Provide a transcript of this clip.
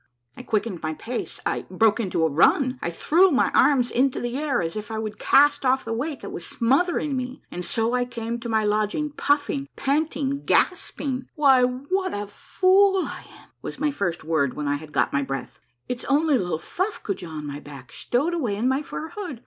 I quickened my pace, I broke into a run, I threw my arms into the air as if I would cast off the weight that was smothering me. And so I came to my lodging puffing, panting, gasping. " Why, what a fool am I !" was my flrst word when I had got my breath ;" it's only little Fuffcoojah on my back, stowed away in my fur hood.